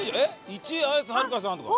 １位綾瀬はるかさんとか。